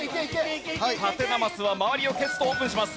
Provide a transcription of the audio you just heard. ハテナマスは周りを消すとオープンします。